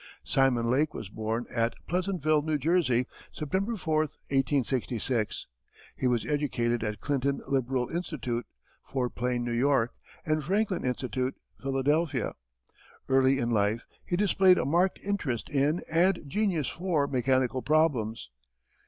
Simon Lake was born at Pleasantville, New Jersey, September 4, 1866. He was educated at Clinton Liberal Institute, Fort Plain, New York, and Franklin Institute, Philadelphia. Early in life he displayed a marked interest in and genius for mechanical problems.